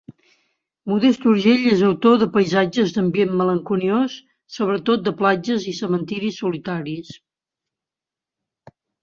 Modest Urgell és autor de paisatges d'ambient malenconiós, sobretot de platges i cementiris solitaris.